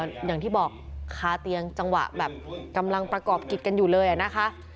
อย่างที่บอกคาเตียงจังหวะแบบกำลังประกอบกิจกันอยู่เลยอะนะคะ